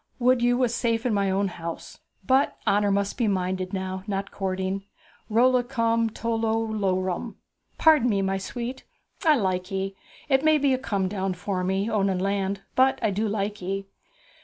would you was safe in my own house! But honour must be minded now, not courting. Rollicum rorum, tol lol lorum. Pardon me, my sweet, I like ye! It may be a come down for me, owning land; but I do like ye.'